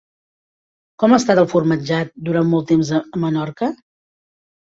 Com ha estat el formatjat durant molt temps a Menorca?